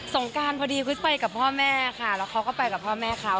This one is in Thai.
งการพอดีคริสไปกับพ่อแม่ค่ะแล้วเขาก็ไปกับพ่อแม่เขา